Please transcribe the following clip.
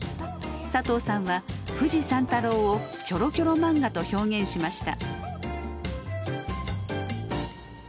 サトウさんは「フジ三太郎」を「キョロキョロ漫画」と表現しました。